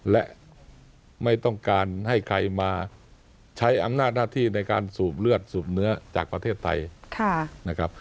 และไม่ต้องการให้ใครมาใช้อำนาจหน้าที่ในการสูบเลือดสูบเนื้อจากประเทศไทยนะครับ